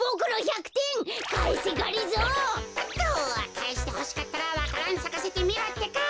かえしてほしかったらわか蘭さかせてみろってか。